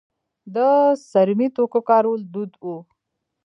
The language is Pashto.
د څرمي توکو کارول دود و